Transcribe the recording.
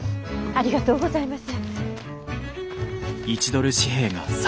ありがとうございます！